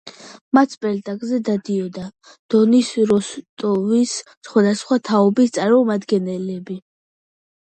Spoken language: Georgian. მათ სპექტაკლებზე დადიოდა დონის როსტოვის სხვადასხვა თაობის წარმომადგენლები.